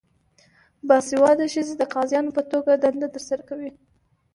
باسواده ښځې د قاضیانو په توګه دنده ترسره کوي.